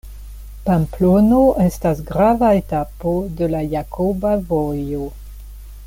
Pamplono estas grava etapo de la Jakoba Vojo.